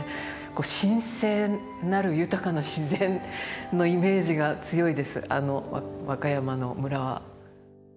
神聖なる豊かな自然のイメージが強いです和歌山の村は。